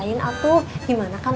hadi bapak padamu